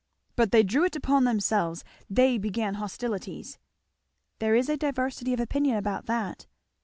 "But they drew it upon themselves. They began hostilities." "There is a diversity of opinion about that."